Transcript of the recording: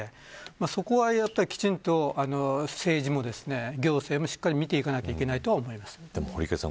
そこはやっぱり、きちんと政治も行政も、しっかり見ていかなくてはいけない。堀池さん